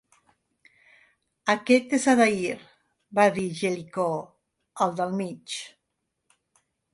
"Aquest és Adair," va dir Jellicoe, "el del mig."